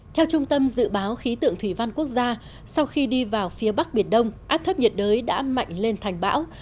theo trung tâm dự báo khí tượng thủy văn quốc gia sau khi đi vào phía bắc biển đông áp thấp nhiệt đới đã mạnh lên thành bão